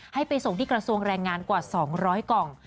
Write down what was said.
ให้ไปส่งที่กระทรวงแรงงานกว่า๒๐๐กล่อง